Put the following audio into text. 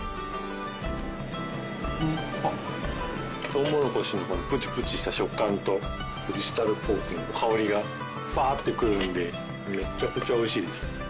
トウモロコシのプチプチした食感とクリスタルポークの香りがふわーって来るのでめちゃくちゃおいしいです。